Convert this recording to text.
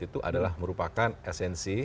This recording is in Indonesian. itu adalah merupakan esensi